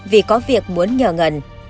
vì có việc muốn nhờ ngân